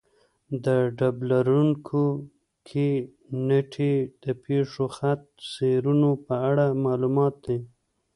په ډبرلیکونو کې نېټې د پېښو خط سیرونو په اړه معلومات دي